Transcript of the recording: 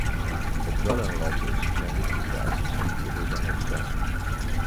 Wat wel een ramp is zijn de irritaties die hierdoor zijn ontstaan.